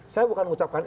saya bukan mengucapkan